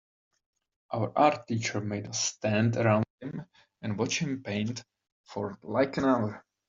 Our art teacher made us stand around him and watch him paint for like an hour.